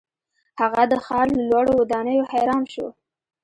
هغه د ښار له لوړو ودانیو حیران شو.